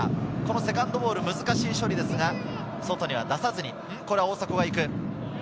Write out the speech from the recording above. セカンドボール、難しい処理ですが、外に出さずに、大迫が行く。